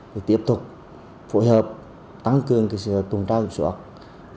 để tiếp tục phối hợp tăng cường tùng trai hợp sử dụng giấy phép lái xe